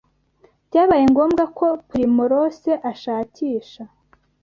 Byabaye ngombwa ko Purimorose ashakisha